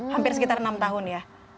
hampir sekitar enam tahun ya